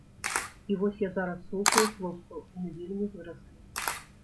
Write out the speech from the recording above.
І вось я зараз слухаю хлопцаў, яны вельмі выраслі.